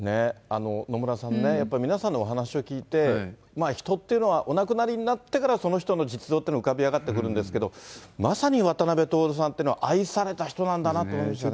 野村さんもね、皆さんのお話を聞いて、人っていうのは、お亡くなりになってから、その人の実情っていうのが浮かび上がってくるんですけど、まさに渡辺徹さんってのは愛された人なんだなと思いましたね。